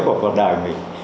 của cuộc đời mình